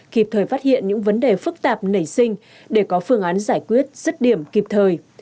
kịp thời phát hiện những vấn đề phức tạp nảy sinh để có phương án giải quyết rứt điểm kịp thời